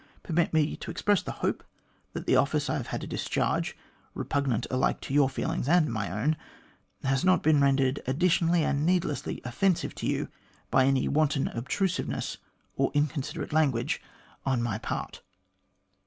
Permit me to express the hope that the office I have had to discharge, repugnant alike to your feelings and my own, has not been rendered additionally and needlessly offensive to you by any wanton obtrusiveness or inconsiderate language on my part."